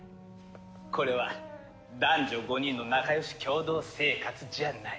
これは男女５人の仲良し共同生活じゃない。